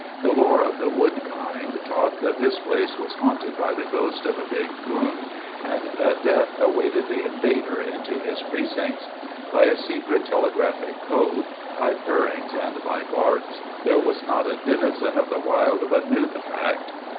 The lore of the wood kind taught that this place was haunted by the ghost of a big coon, and that death awaited the invader into his precincts. By a secret telegraphic code, by purrings and by barks, there was not a denizen of the wild but knew the fact.